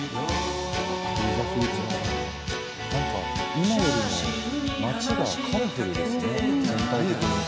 今よりも町がカラフルですね、全体的に。